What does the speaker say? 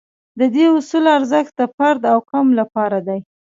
د دې اصول ارزښت د فرد او قوم لپاره دی.